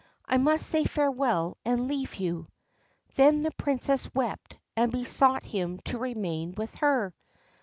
I must say farewell and leave you.' Then the Princess wept and besought him to remain with her.